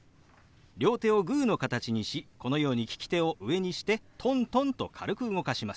両手をグーの形にしこのように利き手を上にしてトントンと軽く動かします。